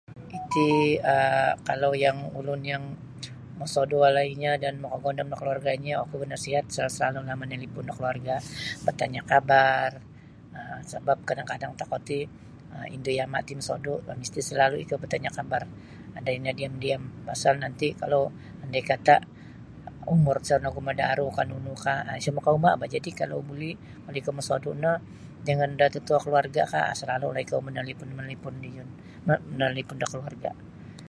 Iti um kalau yang ulun yang mosodu' walainyo dan makagondom da kaluarga' nyo oku manasihat salalu'-salalu'lah manalipon da kaluarga' bartanya' khabar um sabap kadang-kadang tokou ti um indu yama' ti mosodu' boh misti salalu' ikou bartanya khabar adai nio diam-diam pasal nanti kalau andai kata' umur isa' nogu madarukah nunu kah isa makauma' boh jadi' kalau buli da ikou mosodu' no jangan da totua' kaluarga' kah salalu'lah ikou manalipon-manalipon dijun manalipon da kaluarga'.